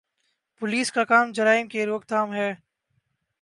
Police کا کام جرائم کی روک تھام ہے۔